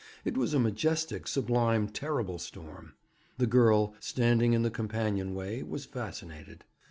It was a majestic, sublime, terrible storm. The girl, standing in the companion way, was fascinated.